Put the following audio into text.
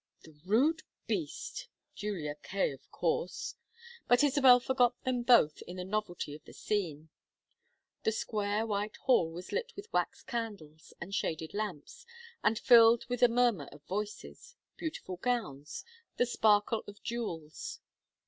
"The rude beast! Julia Kaye, of course." But Isabel forgot them both in the novelty of the scene. The square white hall was lit with wax candles and shaded lamps, and filled with the murmur of voices beautiful gowns the sparkle of jewels.